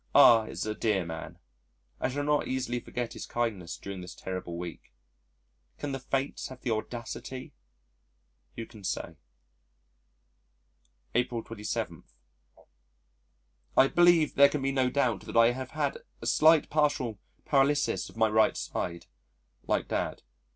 R is a dear man. I shall not easily forget his kindness during this terrible week.... Can the Fates have the audacity?... Who can say? April 27. I believe there can be no doubt that I have had a slight partial paralysis of my right side (like Dad).